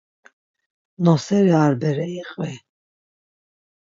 Noseri ar bere iqvi.